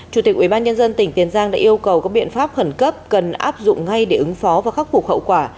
chủ tịch ubnd tỉnh tiền giang đã yêu cầu các biện pháp khẩn cấp cần áp dụng ngay để ứng phó và khắc phục hậu quả